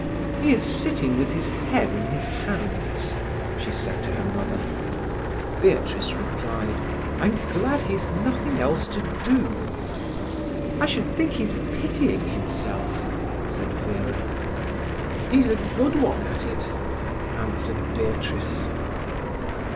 "He is sitting with his head in his hands," she said to her mother. Beatrice replied: "I'm glad he's nothing else to do." "I should think he's pitying himself," said Vera. "He's a good one at it," answered Beatrice.